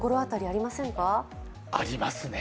ありますね。